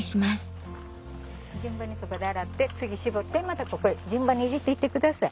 順番にそこで洗って次絞ってまたここ順番に入れていってください。